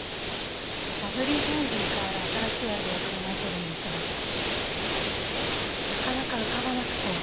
バブリーフレンズに代わる新しいアイデアを考えてるんですがなかなか浮かばなくて。